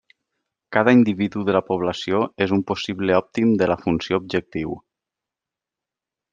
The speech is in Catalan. Cada individu de la població és un possible òptim de la funció objectiu.